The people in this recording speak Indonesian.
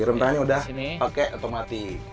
rem tangannya udah pakai otomatik